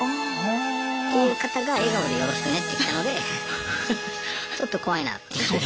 という方が笑顔で「よろしくね！」って来たのでちょっと怖いなっていう。